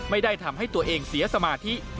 ไม่ได้ทำให้ตัวเองเสียสมาธิ